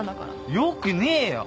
よくねえよ。